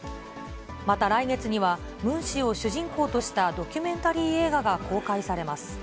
また来月には、ムン氏を主人公としたドキュメンタリー映画が公開されます。